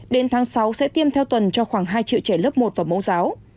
đến tháng sáu sẽ tiêm theo tuần cho khoảng hai triệu trẻ lớp một và mẫu giáo